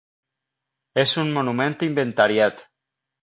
És un monument inventariat.